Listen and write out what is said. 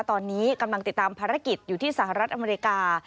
ตอนนี้กำลังติดตามภารกิจอยู่ที่สหรัฐอเมริกา